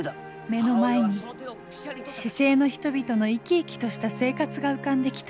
目の前に市井の人々の生き生きとした生活が浮かんできた。